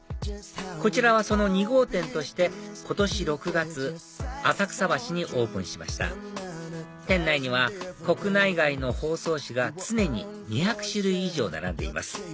こちらはその２号店として今年６月浅草橋にオープンしました店内には国内外の包装紙が常に２００種類以上並んでいます